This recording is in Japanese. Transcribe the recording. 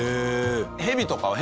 ヘビとかは？